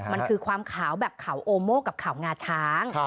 มันคือความขาวแบบเขาโอโม่กับเขางาช้าง